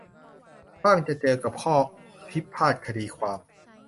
บ้างจะเจอกับข้อพิพาทคดีความ